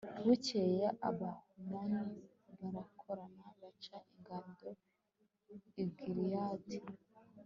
bukeye, abahamoni barakorana baca ingando i gilihadi